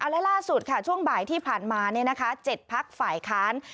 และล่าสุดค่ะช่วงบ่ายที่ผ่านมา๗พักฝ่ายค้าน